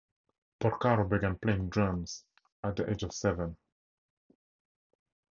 Porcaro began playing drums at the age of seven.